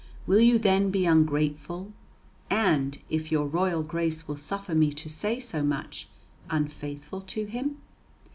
Will you then be ungrateful, and, if your royal grace will suffer me to say so much, unfaithful to Him?